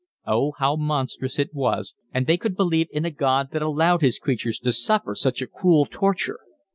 Oh, how monstrous it was, and they could believe in a God that allowed his creatures to suffer such a cruel torture!